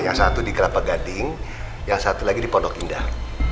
yang satu di kelapa gading yang satu lagi di pondok indah